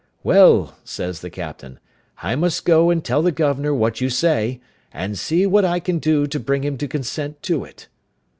"Well," says the captain, "I must go and tell the governor what you say, and see what I can do to bring him to consent to it."